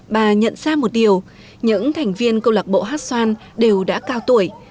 bà nhận ra một điều những thành viên câu lạc bộ hát xoan đều đã cao tuổi